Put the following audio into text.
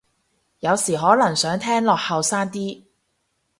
有時可能想聽落後生啲